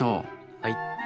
はい。